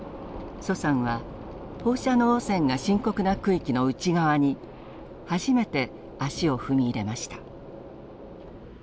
徐さんは放射能汚染が深刻な区域の内側に初めて足を踏み入れました。